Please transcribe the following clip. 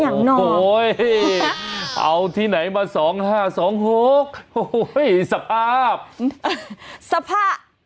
อย่างนอกโอ้โห้ยเอาที่ไหนมาสองห้าสองหกโอ้โห้ยสภาพสภาพ